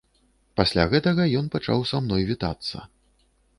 Пасля гэтага ён пачаў са мной вітацца.